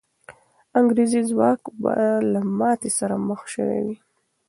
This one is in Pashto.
انګریزي ځواک به له ماتې سره مخ سوی وي.